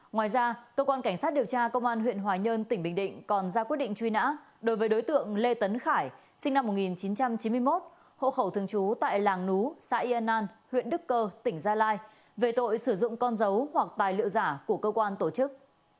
ngoài ra cơ quan cảnh sát điều tra công an huyện hòa nhơn tỉnh bình định còn ra quyết định truy nã đối với đối tượng lê tấn khải sinh năm một nghìn chín trăm chín mươi một hộ khẩu thường trú tại làng nú xã yên an huyện đức cơ tỉnh gia lai về tội sử dụng con dấu hoặc tài liệu giả của cơ quan tổ chức